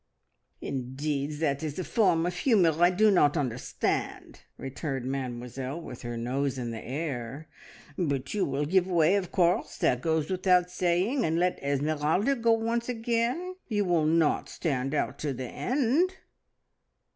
"Indeed that is a form of humour I do not understand!" returned Mademoiselle, with her nose in the air. "But you will give way, of course that goes without saying and let Esmeralda go once again. You will not stand out to the end!"